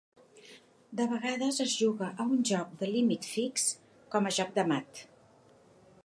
De vegades es juga a un joc de límit fix com a joc de mat.